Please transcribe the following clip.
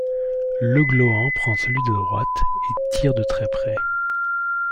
Le Gloan prend celui de droite et tire de très près.